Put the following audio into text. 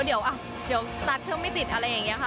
เดี๋ยวสตาร์ทเครื่องไม่ติดอะไรอย่างนี้ค่ะ